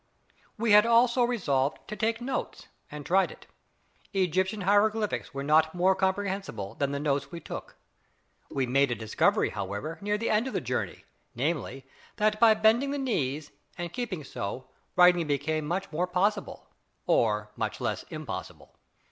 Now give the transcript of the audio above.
We had also resolved to take notes, and tried it. Egyptian hieroglyphics are not more comprehensible than the notes we took. We made a discovery, however, near the end of the journey namely, that by bending the knees, and keeping so, writing became much more possible or much less impossible!